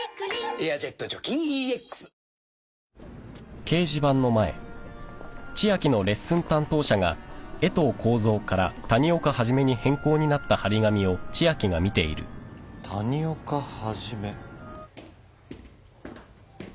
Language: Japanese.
「エアジェット除菌ＥＸ」谷岡肇？